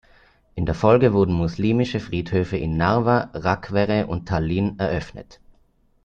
In der Folge wurden muslimische Friedhöfe in Narva, Rakvere und Tallinn eröffnet.